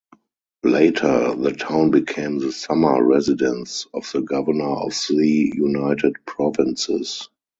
Later, the town became the summer residence of the governor of the United Provinces.